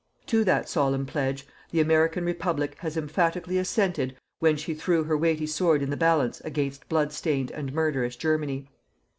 To that solemn pledge, the American Republic has emphatically assented when she threw her weighty sword in the balance against blood stained and murderous Germany.